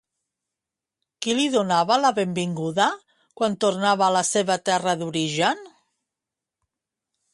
Qui li donava la benvinguda quan tornava a la seva terra d'origen?